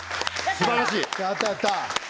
すばらしい。